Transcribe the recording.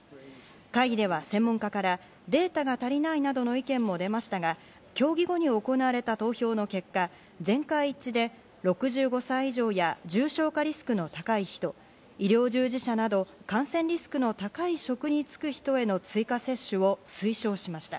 会議では専門家からデータが足りないなどの意見も出ましたが協議後に行われた投票の結果、全会一致で６５歳以上や重症化リスクの高い人、医療従事者など、感染リスクの高い職に就く人への追加接種を推奨しました。